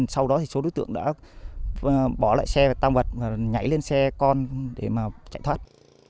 sau đó số đối tượng đã bỏ lại xe tăng vật và nhảy lên xe con để chạy thoát